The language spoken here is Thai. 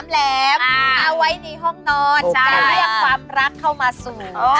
เรียกความรักเข้ามาสู่